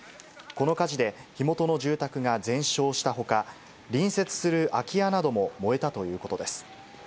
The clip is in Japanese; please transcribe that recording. この火事で、火元の住宅が全焼したほか、隣接する空き家なども燃えたということです。